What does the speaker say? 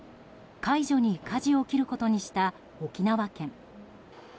解除にかじを切ることにした沖縄県。